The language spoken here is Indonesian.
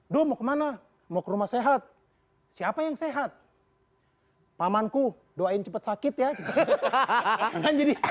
do mau kemana mau ke rumah sehat siapa yang sehat pamanku doain cepet sakit ya kan jadi